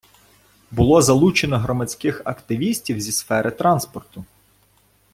Було залучено громадських активістів зі сфери транспорту.